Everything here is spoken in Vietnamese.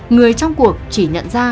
người trong cuộc chỉ nhận ra